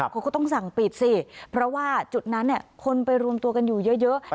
เขาก็ต้องสั่งปิดสิเพราะว่าจุดนั้นคนไปรวมตัวกันอยู่เยอะ